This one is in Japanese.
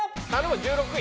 １６位！